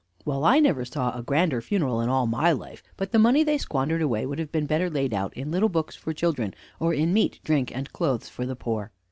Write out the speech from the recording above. Well, I never saw a grander funeral in all my life; but the money they squandered away would have been better laid out in little books for children, or in meat, drink, and clothes for the poor.